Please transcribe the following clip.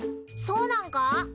そうなんか？